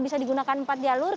bisa digunakan empat jalur